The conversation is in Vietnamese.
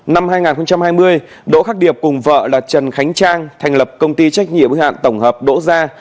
năm hai nghìn hai mươi đỗ khắc điệp cùng vợ là trần khánh trang thành lập công ty trách nhiệm hạn tổng hợp đỗ gia